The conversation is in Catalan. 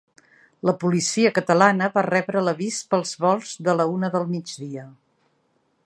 La policia catalana va rebre l’avís pels volts de la una del migdia.